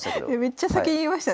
めっちゃ先に言いましたね。